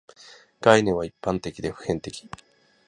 概念は一般的で普遍的